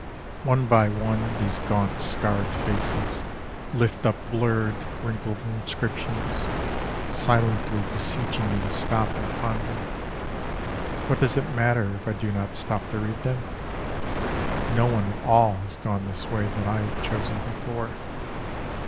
One by one these gaunt scarred faces Lift up blurred wrinkled inscriptions Silently beseeching me to stop and ponder. What does it matter if I do not stop to read them? No one at all has gone this way that I have chosen before.